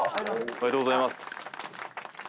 ありがとうございます。